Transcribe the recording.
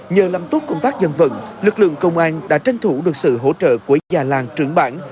nhờ làm tốt công tác dân vận lực lượng công an đã tranh thủ được sự hỗ trợ của già làng trưởng bản